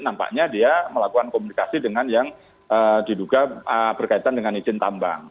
nampaknya dia melakukan komunikasi dengan yang diduga berkaitan dengan izin tambang